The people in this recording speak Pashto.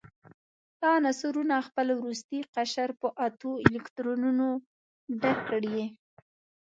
دا عنصرونه خپل وروستی قشر په اتو الکترونونو ډک کړي.